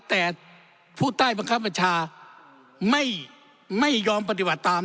แต่ผู้ใต้บังคับบัญชาไม่ยอมปฏิบัติตาม